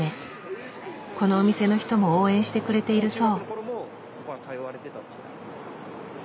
このお店の人も応援してくれているそう。